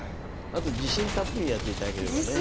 あと自信たっぷりやっていただければね。